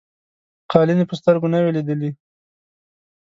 قالیني په سترګو نه وې لیدلي.